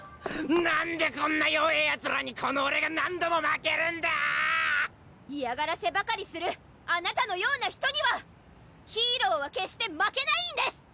なんでこんな弱ぇヤツらにこのオレが何度も負けるんだ⁉嫌がらせばかりするあなたのような人にはヒーローは決して負けないんです！